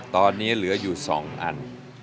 ตอนนี้เหลืออยู่๒อัน